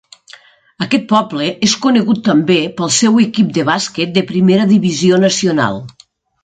Aquest poble és conegut també pel seu equip de bàsquet de primera divisió nacional.